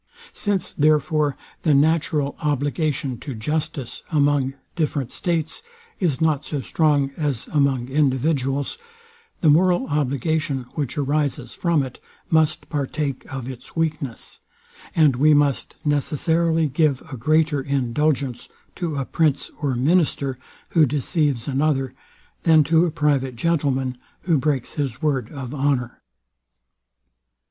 Since, therefore, the natural obligation to justice, among different states, is not so strong as among individuals, the moral obligation, which arises from it, must partake of its weakness; and we must necessarily give a greater indulgence to a prince or minister, who deceives another; than to a private gentleman, who breaks his word of honour.